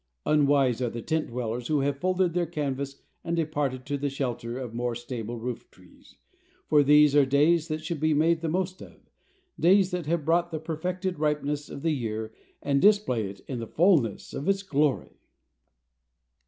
Unwise are the tent dwellers who have folded their canvas and departed to the shelter of more stable roof trees, for these are days that should be made the most of, days that have brought the perfected ripeness of the year and display it in the fullness of its glory.